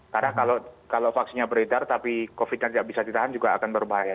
karena kalau vaksinnya beredar tapi covid nya tidak bisa ditahan juga akan berbahaya